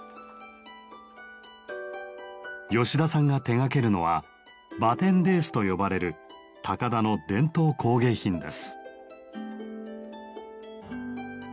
吉田さんが手がけるのはバテンレースと呼ばれる高田の伝統工芸品です。